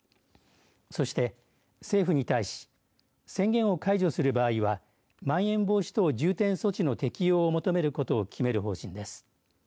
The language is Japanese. そして、政府に対し宣言を解除する場合はまん延防止等重点措置の適用を求めることを決める方針です。